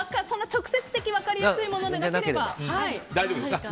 直接的に分かりやすいものでなければ。